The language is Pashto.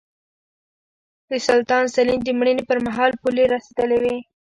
د سلطان سلین د مړینې پرمهال پولې رسېدلې وې.